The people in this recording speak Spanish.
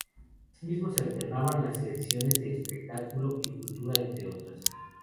Asimismo se alternaban las secciones de espectáculo y cultura, entre otras.